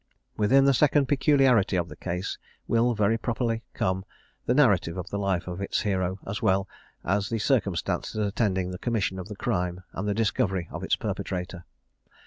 Within the second peculiarity of the case will very properly come the narrative of the life of its hero, as well as the circumstances attending the commission of the crime and the discovery of its perpetrator.